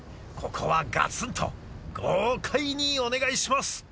ここはガツンと豪快にお願いします。